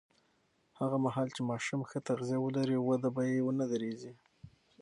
هغه مهال چې ماشوم ښه تغذیه ولري، وده به یې ونه درېږي.